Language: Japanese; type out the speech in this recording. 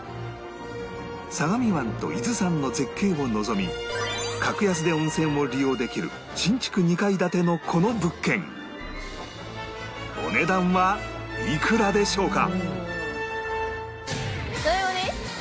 相模湾と伊豆山の絶景を望み格安で温泉を利用できる新築２階建てのこの物件お値段はいくらでしょうか？